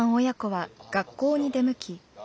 親子は学校に出向き